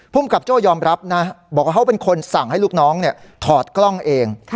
ภูมิกับโจ้ยอมรับนะบอกว่าเขาเป็นคนสั่งให้ลูกน้องถอดกล้องเอง